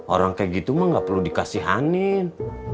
orang kayak gitu mah gak perlu dikasihanin